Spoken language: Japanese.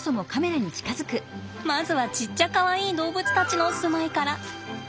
まずはちっちゃかわいい動物たちの住まいから。